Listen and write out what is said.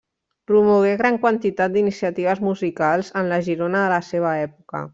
Promogué gran quantitat d'iniciatives musicals en la Girona de la seva època.